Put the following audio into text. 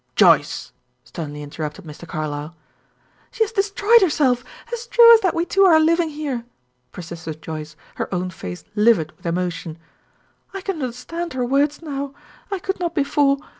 "Joyce!" sternly interrupted Mr. Carlyle. "She has destroyed herself, as true as that we two are living here," persisted Joyce, her own face livid with emotion. "I can understand her words now; I could not before.